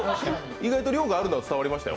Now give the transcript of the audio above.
意外と量があるのは伝わりましたよ。